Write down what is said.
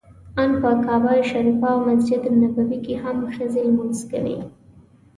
ان په کعبه شریفه او مسجد نبوي کې هم ښځې لمونځ کوي.